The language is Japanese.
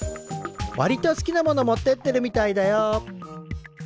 わりと好きなもの持ってってるみたいだよ。